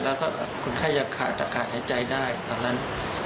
แล้วก็คนไข้จะขาดอากาศหายใจได้ตอนนั้น